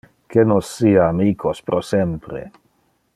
Que nos sia amicos pro sempre.